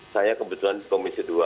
saya kebetulan di komisi dua